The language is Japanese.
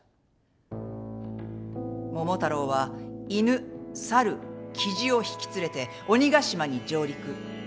桃太郎は犬猿雉を引き連れて鬼ヶ島に上陸。